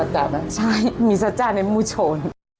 ใช่มีสัจจัดในหมู่โฉน